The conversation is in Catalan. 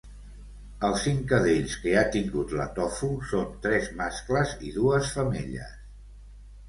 Els cinc cadells que ha tingut la Tofu son tres mascles i dues femelles